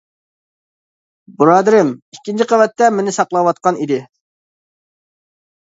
بۇرادىرىم ئىككىنچى قەۋەتتە مېنى ساقلاۋاتقان ئىدى.